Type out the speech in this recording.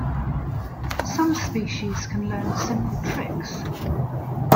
Some species can learn simple tricks.